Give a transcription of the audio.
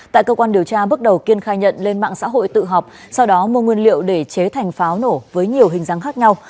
tại cơ quan điều tra bước đầu kiên khai nhận lên mạng xã hội tự học sau đó mua nguyên liệu để chế thành pháo nổ với nhiều hình dáng khác nhau